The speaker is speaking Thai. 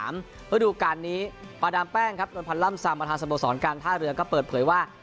เมื่อดูการนี้ปาดามแป้งโดนพันล่ำซามประธานสโมสรการท่าเรือก็เปิดเผยว่า